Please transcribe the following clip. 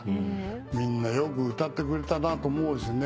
みんなよく歌ってくれたなと思うしね。